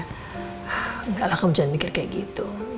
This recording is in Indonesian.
enggak lah kamu jangan mikir kayak gitu